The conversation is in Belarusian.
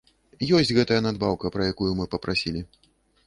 Ёсць гэтая надбаўка, пра якую мы папрасілі.